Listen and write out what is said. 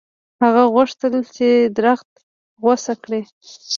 هغه غوښتل چې درخت غوڅ کړي.